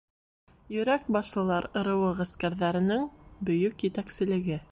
ЙӨРӘК БАШЛЫЛАР ЫРЫУЫ ҒӘСКӘРҘӘРЕНЕҢ БӨЙӨК ЕТӘКСЕЛЕГЕ